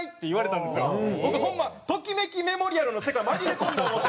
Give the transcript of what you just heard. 僕ホンマ『ときめきメモリアル』の世界に紛れ込んだ思うて。